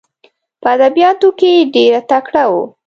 په ادبیاتو کې ډېر تکړه وو.